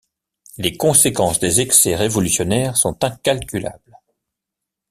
Les conséquences des excès révolutionnaires sont incalculables.